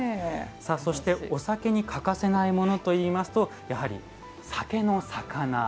さあそしてお酒に欠かせないものといいますとやはり酒の肴です。